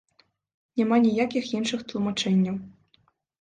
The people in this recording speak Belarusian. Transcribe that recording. Няма ніякіх іншых тлумачэнняў.